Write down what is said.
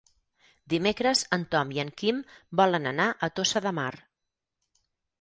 Dimecres en Tom i en Quim volen anar a Tossa de Mar.